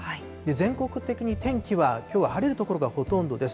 全国的に天気はきょうは晴れる所がほとんどです。